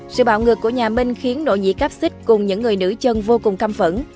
sự bạo ngược của nhà minh khiến nỗ nhĩ cáp xích cùng những người nữ chân vô cùng căm phẫn